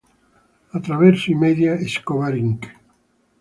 Attraverso i media, Escobar Inc.